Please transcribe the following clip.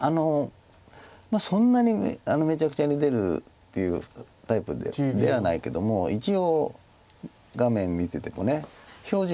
そんなにめちゃくちゃに出るっていうタイプではないけども一応画面見てても表情がありますよね。